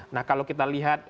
nah kalau kita lihat